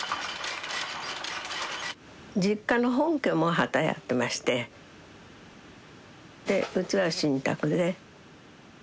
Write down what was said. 実家の本家も機やってましてでうちは新宅で。